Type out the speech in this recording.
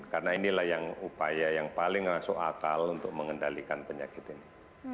karena inilah yang upaya yang paling masuk akal untuk mengendalikan penyakit ini